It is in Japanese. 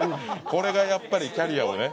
これがやっぱりキャリアをね。